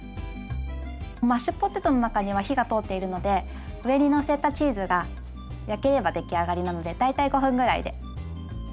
マッシュポテトの中には火が通っているので上にのせたチーズが焼ければ出来上がりなので大体５分ぐらいで。